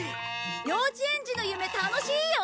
幼稚園児の夢楽しいよ。